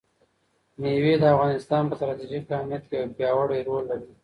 مېوې د افغانستان په ستراتیژیک اهمیت کې یو پیاوړی رول لري.